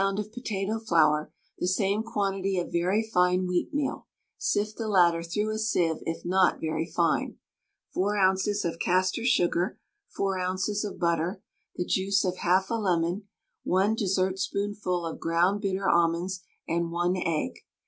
of potato flour, the same quantity of very fine wheatmeal (sift the latter through a sieve if not very fine), 4 oz. of castor sugar, 4 oz. of butter, the juice of 1/2 a lemon, 1 dessertspoonful of ground bitter almonds, and 1 egg.